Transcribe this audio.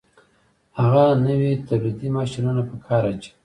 هغه نوي تولیدي ماشینونه په کار اچوي